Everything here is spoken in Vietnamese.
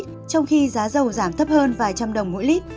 trong khi giá dầu giảm thấp hơn vài trăm đồng mỗi lít